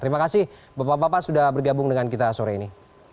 terima kasih bapak bapak sudah bergabung dengan kita sore ini